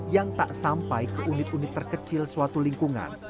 yang tak sampai ke unit unit terkecil suatu lingkungan